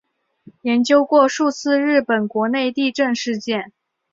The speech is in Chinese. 研究过数次日本国内地震事件。